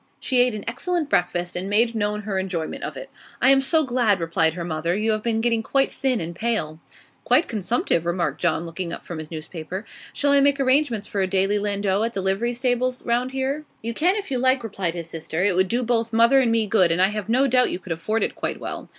She ate an excellent breakfast, and made known her enjoyment of it. 'I am so glad!' replied her mother. 'You have been getting quite thin and pale.' 'Quite consumptive,' remarked John, looking up from his newspaper. 'Shall I make arrangements for a daily landau at the livery stables round here?' 'You can if you like,' replied his sister; 'it would do both mother and me good, and I have no doubt you could afford it quite well.